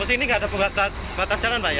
oh sini gak ada pembatas jalan pak ya